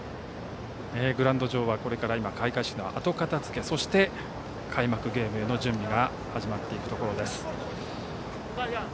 グラウンド上はこれから開会式の後片付けそして、開幕ゲームへの準備が始まっているところです。